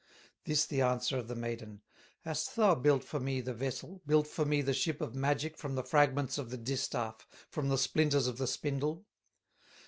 This the answer of the maiden: "Hast thou built for me the vessel, Built for me the ship of magic From the fragments of the distaff, From the splinters of the spindle?"